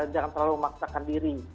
jangan terlalu memaksakan diri